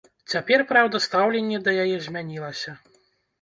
Цяпер, праўда, стаўленне да яе змянілася.